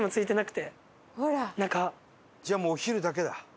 じゃあもうお昼だけだ。